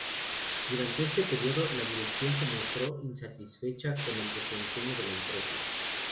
Durante este periodo, la dirección se mostró insatisfecha con el desempeño de la empresa.